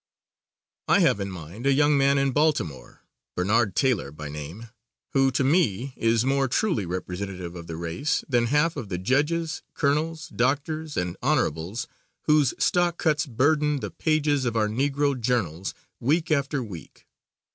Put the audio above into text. I have in mind a young man in Baltimore, Bernard Taylor by name, who to me is more truly representative of the race than half of the "Judges," "Colonels," "Doctors" and "Honorables" whose stock cuts burden the pages of our negro journals week after week.